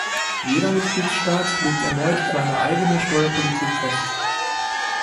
Jeder Mitgliedstaat legt erneut seine eigene Steuerpolitik fest.